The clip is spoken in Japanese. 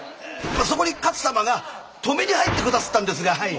そこに勝様が止めに入って下すったんですがはい。